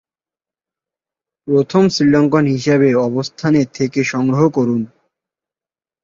প্রথম শ্রীলঙ্কান হিসেবে এ অবস্থানে থেকে সংগ্রহ করেন।